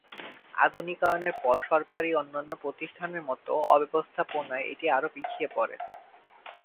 আধুনিকায়নের পর সরকারি অন্যান্য প্রতিষ্ঠানের মত অব্যবস্থাপনায় এটি আরও পিছিয়ে পরে।